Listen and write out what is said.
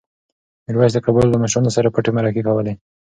میرویس د قبایلو له مشرانو سره پټې مرکې کولې.